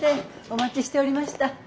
お待ちしておりました。